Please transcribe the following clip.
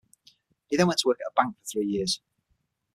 He then went to work at a bank for three years.